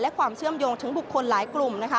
และความเชื่อมโยงถึงบุคคลหลายกลุ่มนะคะ